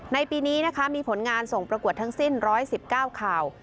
ในปีนี้นะคะมีผลงานส่งประกวดทั้งสิ้น๑๑๙ข่าว